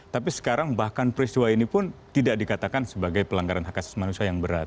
tapi sekarang bahkan peristiwa ini pun tidak dikatakan sebagai pelanggaran hak asasi manusia yang berat